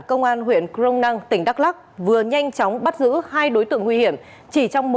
công an huyện crong năng tỉnh đắk lắc vừa nhanh chóng bắt giữ hai đối tượng nguy hiểm chỉ trong